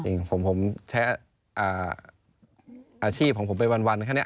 ผมใช้อาชีพของผมไปวันแค่นี้